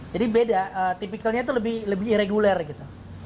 jadi beda tipikalnya itu lebih lebih irreguler gitu